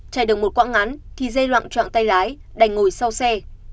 chạy được một quãng ngắn thì dê loạn trọng tay lái đành ngồi sau xe